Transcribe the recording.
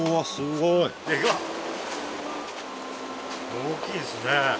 大きいですね。